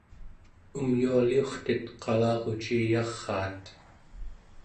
umyualiurtet qalaruciyaraat